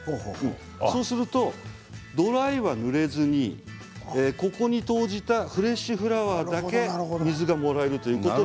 そうするとドライはぬれずに投じたフレッシュフラワーだけが水がもらえる。